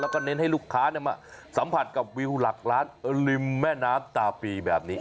แล้วก็เน้นให้ลูกค้ามาสัมผัสกับวิวหลักล้านริมแม่น้ำตาปีแบบนี้